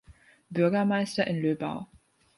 Bürgermeister in Löbau.